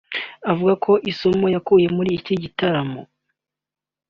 Avuga ku isomo yakuye muri iki gitaramo